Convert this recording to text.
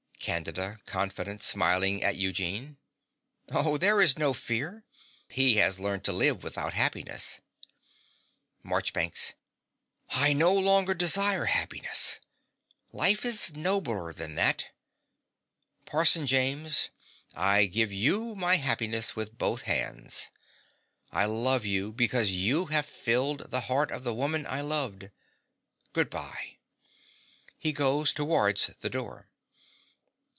CANDIDA (confident, smiling at Eugene). Oh, there is no fear. He has learnt to live without happiness. MARCHBANKS. I no longer desire happiness: life is nobler than that. Parson James: I give you my happiness with both hands: I love you because you have filled the heart of the woman I loved. Good bye. (He goes towards the door.)